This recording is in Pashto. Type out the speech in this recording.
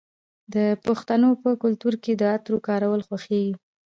د پښتنو په کلتور کې د عطرو کارول خوښیږي.